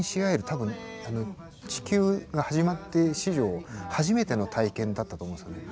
多分地球が始まって史上初めての体験だったと思うんですよね。